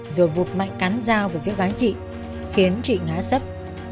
rồi vụt mạnh cắn dao về phía gái trị khiến trị ngã sấp